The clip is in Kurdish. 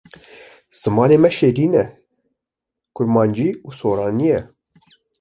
Zimanê me şêrîn e kurmancî û soranî ye.